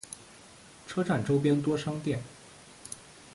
车站周边多商店。